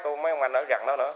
cô mấy ông anh ở rận đó nữa